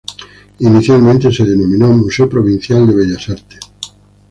Inicialmente se denominó "Museo Provincial de Bellas Artes".